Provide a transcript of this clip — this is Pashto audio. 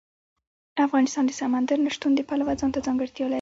افغانستان د سمندر نه شتون د پلوه ځانته ځانګړتیا لري.